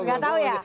gak tau ya